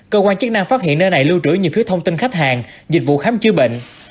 cơ quan chức năng phát hiện nơi này lưu trữ nhiều phiếu thông tin khách hàng dịch vụ khám chữa bệnh